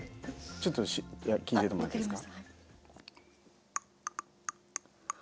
ちょっと聞いててもらっていいですか？